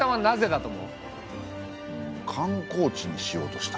うん観光地にしようとした？